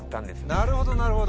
なるほどなるほど。